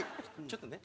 ちょっとね。